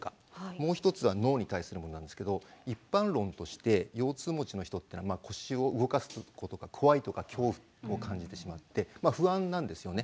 もう一つは脳に対するものなんですけど一般論として腰痛持ちの人っていうのは腰を動かすことが怖いとか恐怖を感じてしまって不安なんですよね。